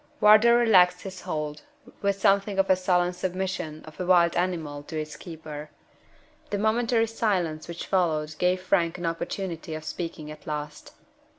Wardour relaxed his hold, with something of the sullen submission of a wild animal to its keeper. The momentary silence which followed gave Frank an opportunity of speaking at last.